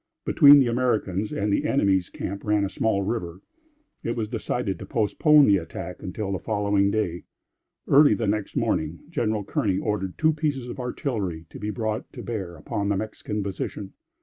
Between the Americans' and the enemy's camp ran a small river. It was decided to postpone the attack until the following day. Early the next morning, General Kearney ordered two pieces of artillery to be brought to bear upon the Mexican position.